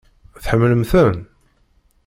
Tḥemmlem-ten?